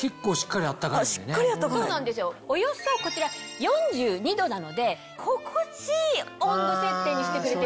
およそこちら４２℃なので心地いい温度設定にしてくれてるんです。